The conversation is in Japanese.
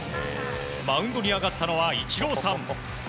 マウンドに上がったのはイチローさん。